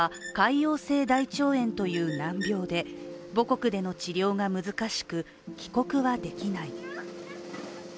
潰瘍性大腸炎という難病で母国での治療が難しく、帰国はできない。